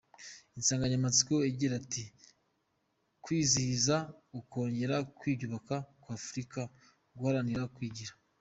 Insanganyamatsiko igira iti, „Kwizihiza ukongera kwiyubaka kwa Afurika, duharanira kwigira“.